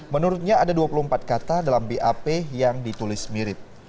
menurutnya ada dua puluh empat kata dalam bap yang ditulis mirip